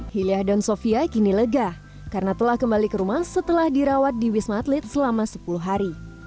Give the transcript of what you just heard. hiliyah dan sofia kini lega karena telah kembali ke rumah setelah dirawat di wisma atlet selama sepuluh hari